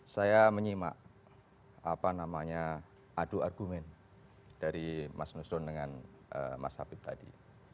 saya menyimak adu argumen dari mas nusron dengan mas habib tadi